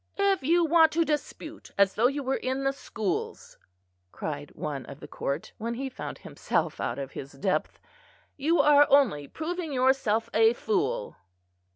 "If you want to dispute as though you were in the schools," cried one of the court, when he found himself out of his depth, "you are only proving yourself a fool."